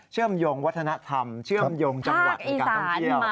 เชื่อมโยงวัฒนธรรมเชื่อมโยงจังหวัดในการท่องเที่ยว